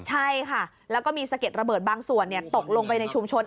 ใช่ค่ะแล้วก็มีสะเด็ดระเบิดบางส่วนตกลงไปในชุมชน